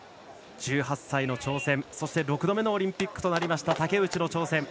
１８歳の挑戦そして６度目のオリンピックとなりました竹内の挑戦。